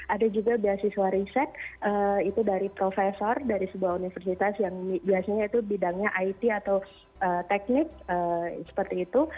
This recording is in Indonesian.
ada juga beasiswa riset itu dari profesor dari sebuah universitas yang biasanya itu bidangnya it atau teknik seperti itu